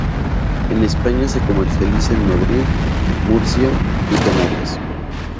En España se comercializa en Madrid, Murcia y Canarias.